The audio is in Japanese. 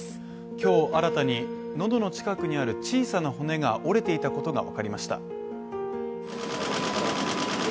今日新たに喉の近くにある小さな骨が折れていたことがわかりました。